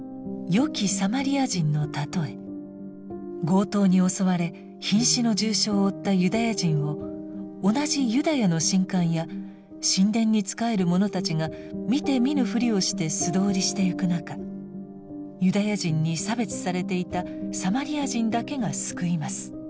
強盗に襲われひん死の重傷を負ったユダヤ人を同じユダヤの神官や神殿に仕える者たちが見て見ぬふりをして素通りしてゆく中ユダヤ人に差別されていたサマリア人だけが救います。